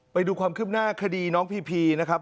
ไปดูความคืบหน้าคดีน้องพีพีนะครับ